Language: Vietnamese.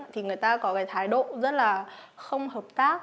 thì người ta có cái thái độ rất là không hợp tác